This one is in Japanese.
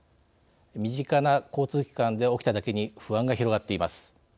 身近な交通機関で起きただけに不安が広がっています。